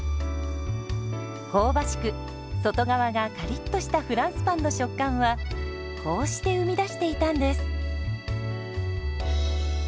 香ばしく外側がカリッとしたフランスパンの食感はこうして生み出していたんです。